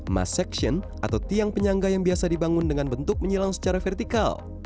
mas section atau tiang penyangga yang biasa dibangun dengan bentuk menyilang secara vertikal